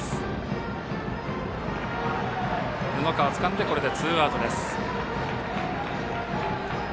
布川、つかんでツーアウトです。